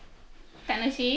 楽しい？